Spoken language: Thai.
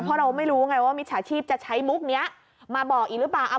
เพราะเราไม่รู้ไงว่ามิจฉาชีพจะใช้มุกนี้มาบอกอีกหรือเปล่า